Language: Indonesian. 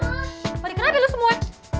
gak dikenal deh lu semua